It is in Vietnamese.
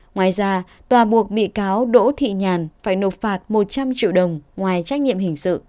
ngoài ra tòa buộc bị cáo đỗ thị nhàn phải nộp phạt một trăm linh triệu đồng ngoài trách nhiệm hình sự